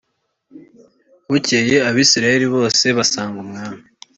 Bukeye Abisirayeli bose basanga umwami